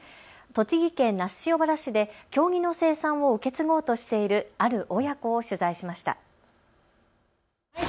栃木県那須塩原市で経木の生産を受け継ごうとしているある親子を取材しました。